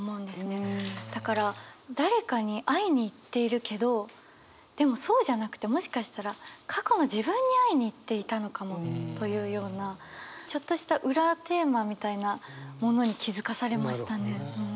だから誰かに会いに行っているけどでもそうじゃなくてもしかしたら過去の自分に会いに行っていたのかもというようなちょっとした裏テーマみたいなものに気づかされましたね。